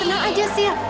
penang aja sil